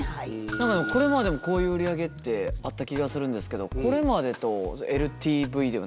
何かでもこれまでもこういう売り上げってあった気がするんですけどこれまでとＬＴＶでは何が違うんですかね？